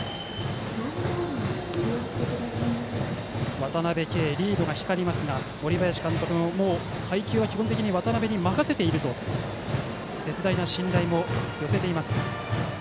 渡辺憩リードが光りますが森林監督は、配球は基本的に渡辺に任せていると絶大な信頼も寄せています。